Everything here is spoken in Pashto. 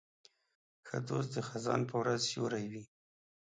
ښه دوست د خزان په ورځ سیوری وي.